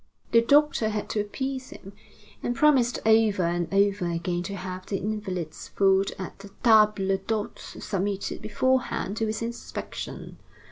The doctor had to appease him, and promised over and over again to have the invalids' food at the table d'hôte submitted beforehand to his inspection.